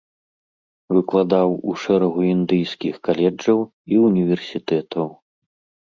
Выкладаў у шэрагу індыйскіх каледжаў і ўніверсітэтаў.